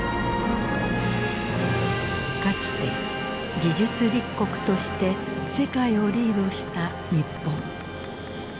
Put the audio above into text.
かつて技術立国として世界をリードした日本。